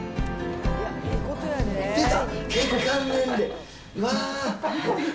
出た！